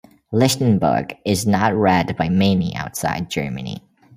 Lichtenberg is not read by many outside Germany.